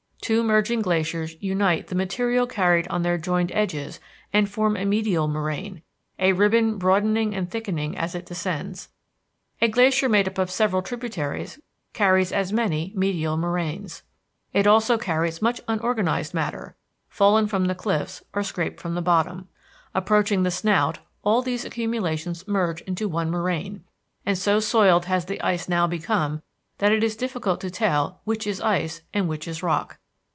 Two merging glaciers unite the material carried on their joined edges and form a medial moraine, a ribbon broadening and thickening as it descends; a glacier made up of several tributaries carries as many medial moraines. It also carries much unorganized matter fallen from the cliffs or scraped from the bottom. Approaching the snout, all these accumulations merge into one moraine; and so soiled has the ice now become that it is difficult to tell which is ice and which is rock.